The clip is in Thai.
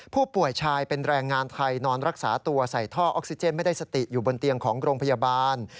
ผู้ป่วยชายเป็นแรงงานไทยนอนรักษาตัวใส่ท่อออกซิเจนไม่ได้สติอยู่บนเตียงของโรงพยาบาล